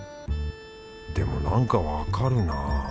でもなんかわかるなぁ。